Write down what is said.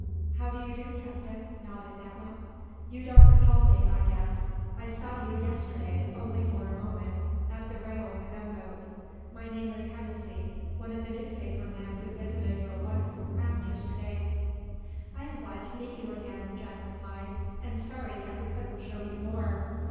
"How do you do, Captain?" nodded that one. "You don't recall me, I guess. I saw you, yesterday, only for a moment at the rail of the gunboat. My name is Hennessy, one of the newspaper men who visited your wonderful craft yesterday." "I am glad to meet you again," Jack replied, "and sorry that we couldn't show you more."